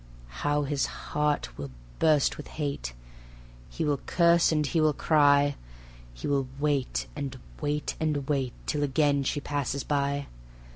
How his heart will burst with hate! He will curse and he will cry. He will wait and wait and wait, Till again she passes by.